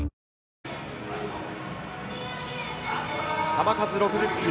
球数６０球。